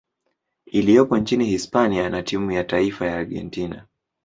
iliyopo nchini Hispania na timu ya taifa ya Argentina.